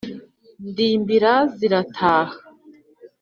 Ndimbira zirataha